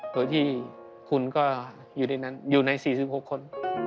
โดยที่คุณก็อยู่ในนั้นอยู่ใน๔๖คน